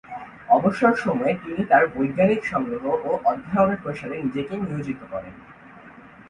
অবসর সময়ে, তিনি তাঁর বৈজ্ঞানিক সংগ্রহ এবং অধ্যয়নের প্রসারে নিজেকে নিয়োজিত করেন।